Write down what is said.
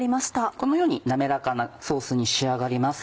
このようになめらかなソースに仕上がります。